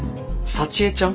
幸江ちゃん？